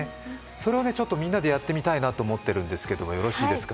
それをみんなでやってみたいと思うんですけどよろしいですか？